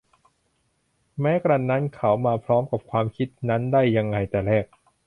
แม้กระนั้น เขามาพร้อมกับความคิดนั้นได้ยังไงแต่แรก